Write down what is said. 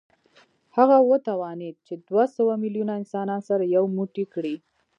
هغه وتوانېد چې دوه سوه میلیونه انسانان سره یو موټی کړي